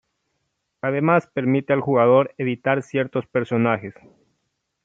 Además permite al jugador editar ciertos personajes.